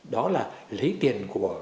đó là lấy tiền của các công ty